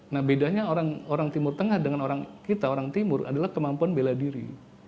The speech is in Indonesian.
nah bedanya orang timur tengah dengan orang kita orang timur adalah kemampuan bela diri